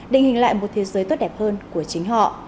định hình lại một thế giới tốt đẹp hơn của chính họ